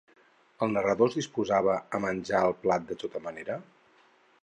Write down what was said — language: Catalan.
El narrador es disposava a menjar el plat de tota manera?